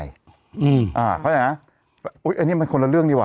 เขาจะแนะอุ๊ยอันนี้มันคนละเรื่องนิว่ะ